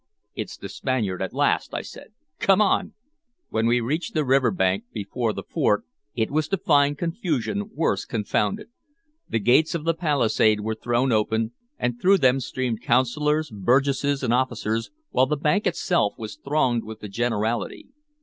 "It's the Spaniard at last," I said. "Come on!" When we reached the river bank before the fort, it was to find confusion worse confounded. The gates of the palisade were open, and through them streamed Councilors, Burgesses, and officers, while the bank itself was thronged with the generality.